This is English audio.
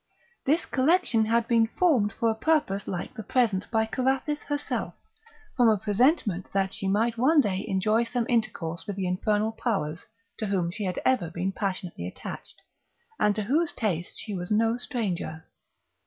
This collection had been formed for a purpose like the present by Carathis herself, from a presentment that she might one day enjoy some intercourse with the infernal powers to whom she had ever been passionately attached, and to whose taste she was no stranger.